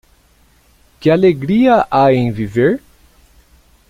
Que alegria há em viver?